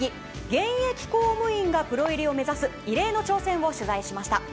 現役公務員がプロ入りを目指す異例の挑戦を取材しました。